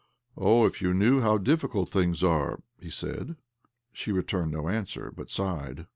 " Oh, if you knew how difficult things are !" he said. She returned no answer, but sighed.